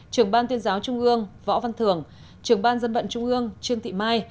trưởng ban tuyên giáo trung ương võ văn thường trưởng ban dân vận trung ương trương thị mai